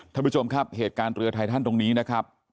ท่านผู้ชมครับเหตุการณ์เรือไททันตรงนี้นะครับ